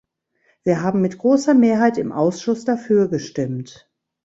Wir haben mit großer Mehrheit im Ausschuss dafür gestimmt.